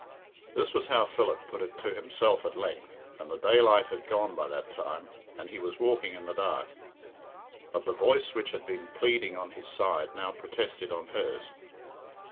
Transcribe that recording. This was how Philip put it to himself at length, and the daylight had gone by that time, and he was walking in the dark. But the voice which had been pleading on his side now protested on hers.